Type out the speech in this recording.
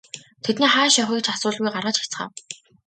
Тэдний хааш явахыг ч асуулгүй гаргаж хаяцгаав.